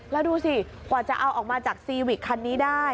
แล้วดูสิกว่าจะเอาออกมาจากซีวิกคันนี้ได้